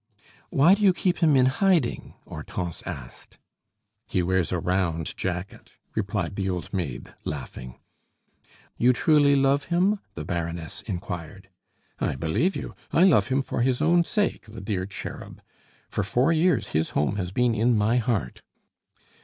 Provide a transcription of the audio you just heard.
"Why do you keep him in hiding?" Hortense asked. "He wears a round jacket," replied the old maid, laughing. "You truly love him?" the Baroness inquired. "I believe you! I love him for his own sake, the dear cherub. For four years his home has been in my heart."